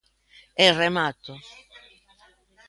E remato.